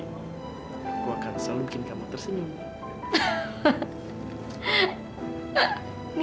aku akan selalu bikin kamu tersenyum